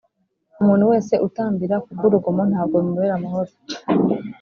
Umuntu wese utambamira ku bw urugomo ntabwo bimubera amahoro